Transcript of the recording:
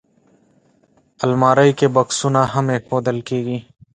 الماري کې بکسونه هم ایښودل کېږي